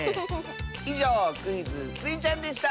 いじょうクイズ「スイちゃん」でした！